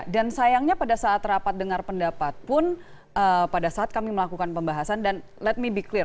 dan sayangnya pada saat rapat dengar pendapat pun pada saat kami melakukan pembahasan dan let me be clear